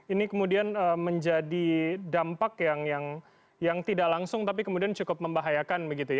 ini kemudian menjadi dampak yang tidak langsung tapi kemudian cukup membahayakan